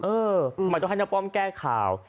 เออทำไมต้องให้น้าป้อมแก้ข่าว